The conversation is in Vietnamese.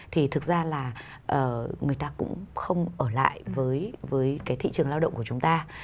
thì thực ra là người ta cũng không ở lại với cái thị trường lao động của chúng ta